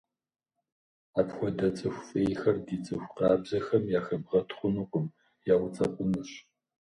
Апхуэдэ цӀыху фӀейхэр ди цӀыху къабзэхэм яхэбгъэт хъунукъым, яуцӀэпӀынущ.